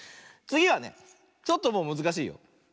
つぎはねちょっともうむずかしいよ。